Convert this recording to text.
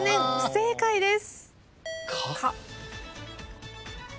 正解です。